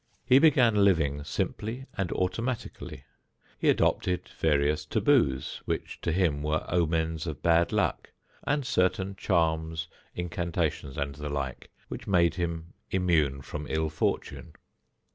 He began living simply and automatically; he adopted various "taboos" which to him were omens of bad luck, and certain charms, incantations and the like, which made him immune from ill fortune.